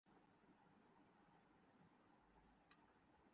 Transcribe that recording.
مزید کے لیے اردو ویب لائبریری کی کتب منتخب کی جا سکتی ہیں